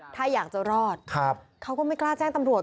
ถ้าอยากจะรอดเขาก็ไม่กล้าแจ้งตำรวจ